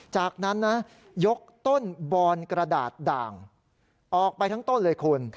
จากนั้นนะยกต้นบอนกระดาษด่างออกไปทั้งต้นเลยคุณ